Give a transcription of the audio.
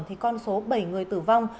thì con số bảy người tử vong